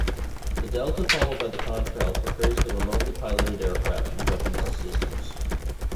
The delta followed by the contrail portrays the remotely piloted aircraft and weapons systems.